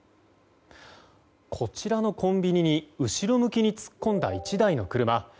こちらのコンビニに後ろ向きに突っ込んだ１台の車。